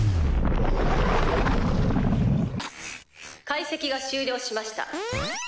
解析が終了しました。